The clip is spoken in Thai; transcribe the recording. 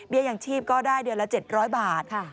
อย่างชีพก็ได้เดือนละ๗๐๐บาท